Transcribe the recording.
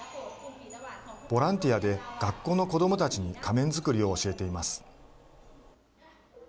ボランティアで学校の子どもたちに仮面作りを教えています。